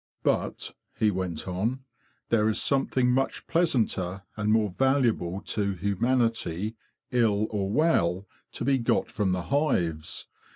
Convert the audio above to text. "" But," he went on, " there is something much pleasanter and more valuable to humanity, ill or well, to be got from the hives.